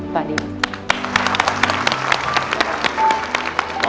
ขวาดิน